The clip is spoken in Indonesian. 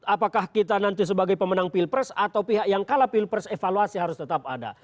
apakah kita nanti sebagai pemenang pilpres atau pihak yang kalah pilpres evaluasi harus tetap ada